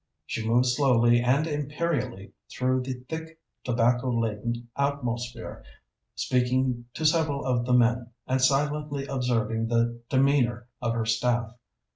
She moved slowly and imperially through the thick tobacco laden atmosphere, speaking to several of the men, and silently observing the demeanour of her staff.